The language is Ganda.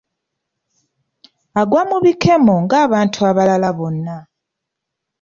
Agwa mu bikemo ng’abantu abalala bonna